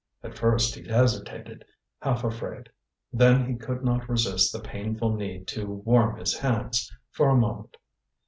At first he hesitated, half afraid. Then he could not resist the painful need to warm his hands for a moment.